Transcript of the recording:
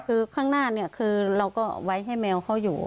คือข้างหน้าเนี่ยคือเราก็ไว้ให้แมวเขาอยู่